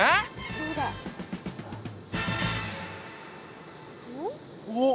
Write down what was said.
どうだ？おっ？